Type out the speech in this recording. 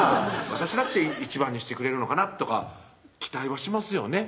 私だって１番にしてくれるのかなとか期待はしますよね